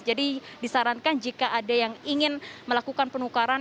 jadi disarankan jika ada yang ingin melakukan penukaran